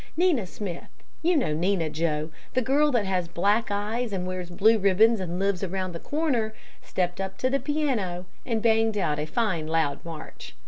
Nina Smith you know Nina, Joe, the girl that has black eyes and wears blue ribbons, and lives around the corner stepped up to the piano, and banged out a fine loud march.